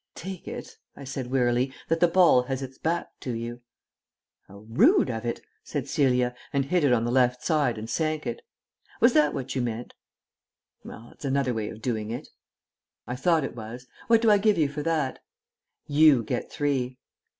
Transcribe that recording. "Take it," I said wearily, "that the ball has its back to you." "How rude of it," said Celia, and hit it on the left hand side, and sank it. "Was that what you meant?" "Well ... it's another way of doing it." "I thought it was. What do I give you for that?" "You get three."